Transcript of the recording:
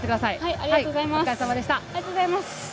ありがとうございます。